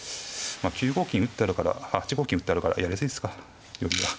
９五金打ってあるからあっ８五金打ってあるからやり過ぎですか寄りは。